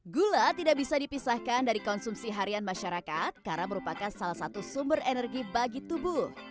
gula tidak bisa dipisahkan dari konsumsi harian masyarakat karena merupakan salah satu sumber energi bagi tubuh